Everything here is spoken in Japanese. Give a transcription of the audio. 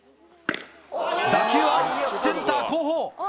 打球はセンター後方